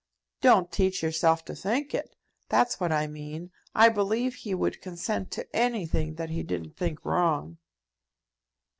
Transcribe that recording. "Don't teach yourself to think it. That's what I mean. I believe he would consent to anything that he didn't think wrong."